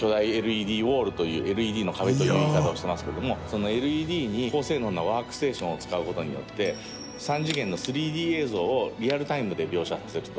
ＬＥＤの壁という言い方をしていますけれどもそのＬＥＤに高性能なワークステーションを使うことによって３次元の３Ｄ映像をリアルタイムで描写できる。